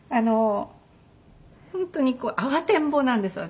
本当に慌てんぼうなんです私。